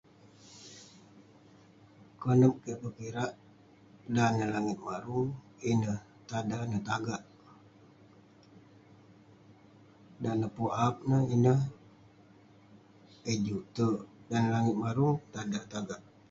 konep kik pekirak dan neh langit marung, ineh tada neh, tagak..dan neh pun ap neh, ineh eh juk terk..dan langit marung, tada tagak